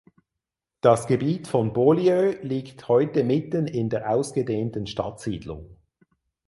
Das Gebiet von Beaulieu liegt heute mitten in der ausgedehnten Stadtsiedlung.